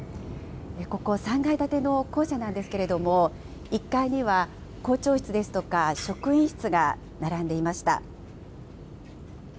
ここ、３階建ての校舎なんですけれども、１階には校長室ですとか、職員室が並んでいました。